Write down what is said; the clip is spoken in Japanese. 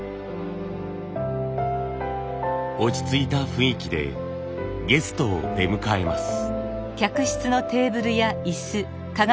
落ち着いた雰囲気でゲストを出迎えます。